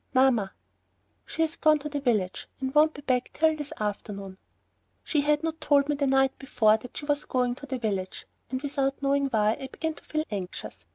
"Mamma." "She has gone to the village and won't be back till this afternoon." She had not told me the night before that she was going to the village, and without knowing why, I began to feel anxious.